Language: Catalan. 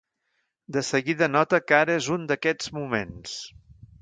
De seguida nota que ara és un d'aquests moments.